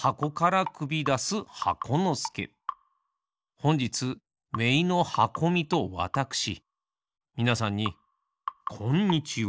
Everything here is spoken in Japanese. ほんじつめいのはこみとわたくしみなさんにこんにちは。